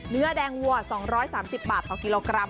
เนื้อแดงวัว๒๓๐บาทต่อกิโลกรัม